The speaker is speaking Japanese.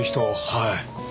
はい。